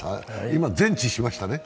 今、全治しましたね。